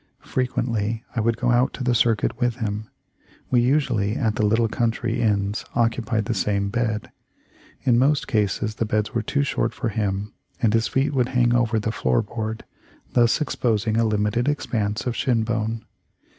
Frequently I would go out on the circuit with him. We, usually, at the little country inns occupied the same bed. In most cases the beds w r ere too short for him, and his feet would hang over the floor board, thus expos ing a limited expanse of shin bone.